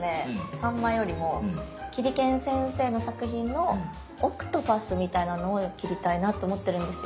サンマよりも切り剣先生の作品の「海蛸子」みたいなのを切りたいなと思ってるんですよ。